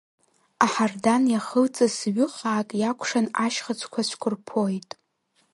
Аҳардан иахылҵыз ҩы-хаак, иакәшан ашьхыцқәа цәқәырԥоит…